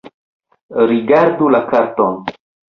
Rigardu la karton